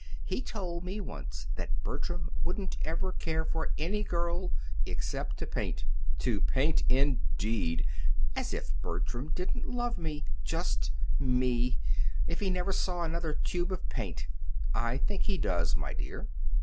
"He told me once that Bertram wouldn't ever care for any girl except to paint. To paint, indeed! As if Bertram didn't love me just me! if he never saw another tube of paint!" "I think he does, my dear."